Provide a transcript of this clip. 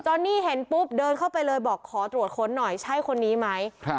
ตอนนี้เห็นปุ๊บเดินเข้าไปเลยบอกขอตรวจค้นหน่อยใช่คนนี้ไหม